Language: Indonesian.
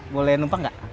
boleh numpang gak